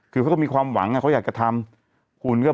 คือเขาก็มีความหวังเขาอยากจะทำคุณก็